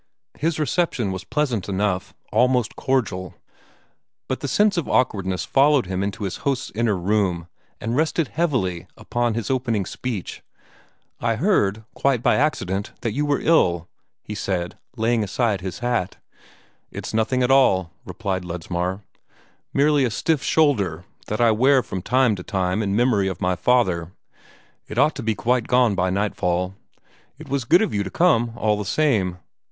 His reception was pleasant enough, almost cordial, but the sense of awkwardness followed him into his host's inner room and rested heavily upon his opening speech. "I heard, quite by accident, that you were ill," he said, laying aside his hat. "It's nothing at all," replied Ledsmar. "Merely a stiff shoulder that I wear from time to time in memory of my father. It ought to be quite gone by nightfall. It was good of you to come, all the same.